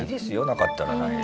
なかったらないで。